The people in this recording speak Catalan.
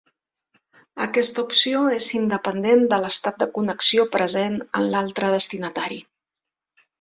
Aquesta opció és independent de l'estat de connexió present en l'altre destinatari.